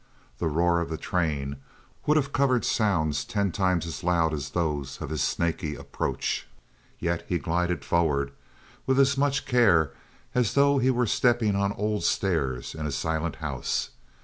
The roar of the train would have covered sounds ten times as loud as those of his snaky approach, yet he glided forward with as much care as though he were stepping on old stairs in a silent house.